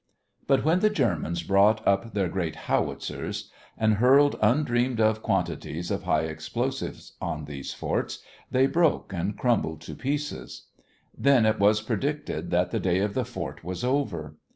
But when the Germans brought up their great howitzers and hurled undreamed of quantities of high explosives on these forts, they broke and crumbled to pieces. Then it was predicted that the day of the fort was over.